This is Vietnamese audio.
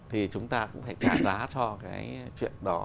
thì chúng ta cũng phải trả giá cho cái chuyện đó